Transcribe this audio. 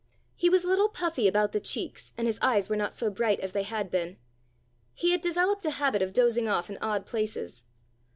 He was a little puffy about the cheeks and his eyes were not so bright as they had been. He had developed a habit of dozing off in odd places.